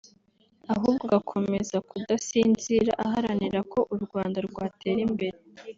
ahubwo agakomeza kudasinzira aharanira ko u Rwanda rwatera imbere